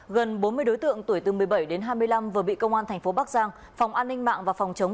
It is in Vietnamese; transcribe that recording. gần bốn mươi đối tượng tuổi từ một mươi bảy đến hai mươi năm vừa bị công an thành phố bắc giang phòng an ninh mạng và phòng chống